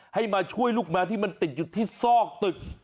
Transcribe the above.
ให้มาช่วยลูกแมวที่มันติดอยู่ที่ซอกตึก